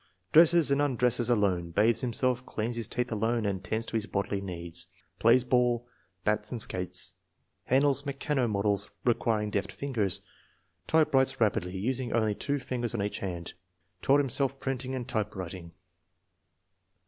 " Dresses and undresses alone, bathes himself, cleans his teeth alone and tends to his bodily needs. Plays ball, bats and skates. Handles ' mechano ' models re quiring deft fingers. Typewrites rapidly, using only two fingers on each hand. Taught himself printing and typewriting.